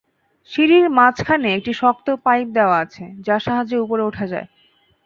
সিঁড়ির মাঝখানে একটি শক্ত পাইপ দেওয়া আছে, যার সাহায্যে ওপরে ওঠা যায়।